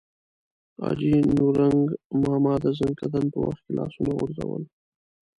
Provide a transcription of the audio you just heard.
حاجي نورنګ ماما د ځنکدن په وخت کې لاسونه غورځول.